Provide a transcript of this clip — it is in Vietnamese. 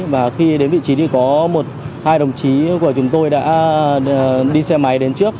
và khi đến vị trí thì có một hai đồng chí của chúng tôi đã đi xe máy đến trước